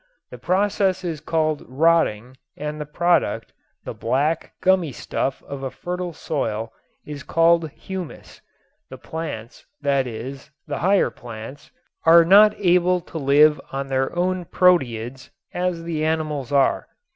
The process is called "rotting" and the product, the black, gummy stuff of a fertile soil, is called "humus." The plants, that is, the higher plants, are not able to live on their own proteids as the animals are.